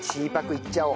いっちゃおう。